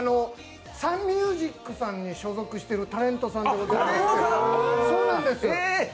サンミュージックさんに所属しているタレントさんでございます。